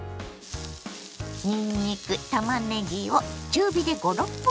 にんにくたまねぎを中火で５６分炒めます。